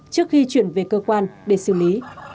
trước khi chuyển về cơ quan để xử lý